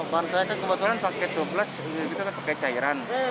barang saya kan kebetulan pakai tubles ini gitu kan pakai cairan